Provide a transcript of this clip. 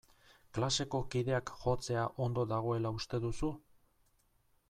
Klaseko kideak jotzea ondo dagoela uste duzu?